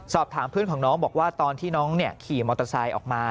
สอบถามเพื่อนของน้องบอกว่าตอนที่น้องขี่มอเตอร์ไซค์ออกมา